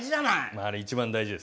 まああれ一番大事です。